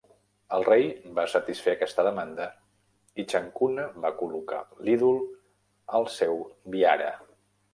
El rei va satisfer aquesta demanda i Chankuna va col·locar l'ídol al seu "vihara".